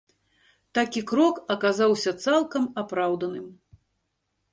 Такі крок аказаўся цалкам апраўданым.